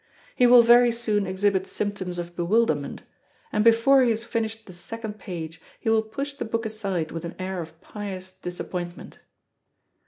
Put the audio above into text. He will very soon exhibit symptoms of bewilderment, and before he has finished the second page he will push the book aside with an air of pious disappointment.